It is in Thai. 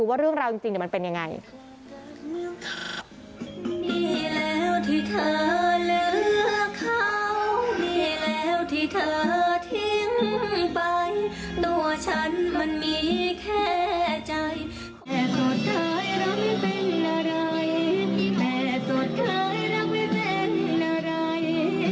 แค่สดท้ายรักไม่เป็นอะไรแค่สดท้ายรักไม่เป็นอะไร